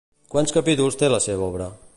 Quants capítols té la seva obra?